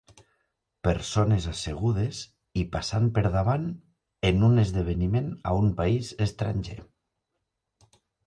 Persones assegudes i passant per davant en un esdeveniment a un país estranger.